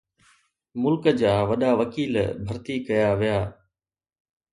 ملڪ جا وڏا وڪيل ڀرتي ڪيا ويا.